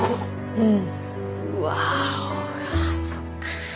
うん。